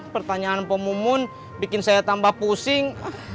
pertanyaan mpok mumun bikin saya tambah pusing